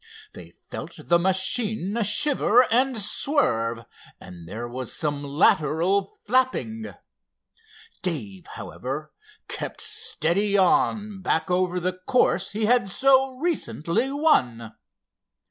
They felt the machine shiver and swerve, and there was some lateral flapping. Dave, however, kept steadily on back over the course he had so recently won.